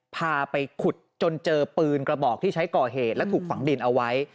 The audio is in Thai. พาไปขุดจนเจอปืนกระบอกที่ใช้ก่อเหตุและถูกฝังดินเอาไว้